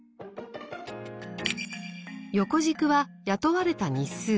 横軸は雇われた日数。